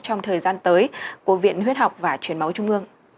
trong thời gian tới của viện huyết học và truyền máu trung ương